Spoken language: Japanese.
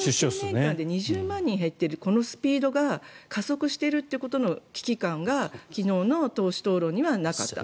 ２０万人減っているこのスピードが加速しているということの危機感が昨日の党首討論にはなかった。